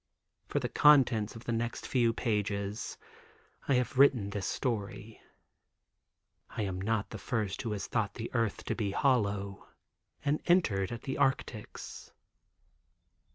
For the contents of the next few pages, I have written this story. I am not the first who has thought the earth to be hollow, and entered at the Arctics.